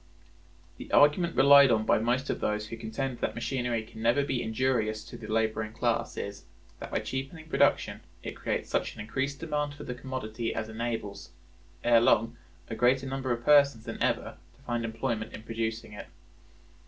The argument relied on by most of those who contend that machinery can never be injurious to the laboring class is, that by cheapening production it creates such an increased demand for the commodity as enables, ere long, a greater number of persons than ever to find employment in producing it.